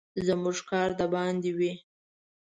زموږ کار د باندې وي.